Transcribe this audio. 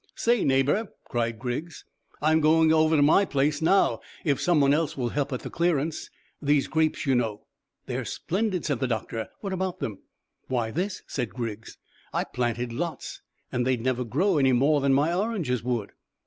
"Say, neighbour," cried Griggs, "I'm going over to my place now, if some one else will help at the clearance. These grapes, you know." "They're splendid," said the doctor. "What about them?" "Why, this," said Griggs; "I planted lots, and they'd never grow any more than my oranges would."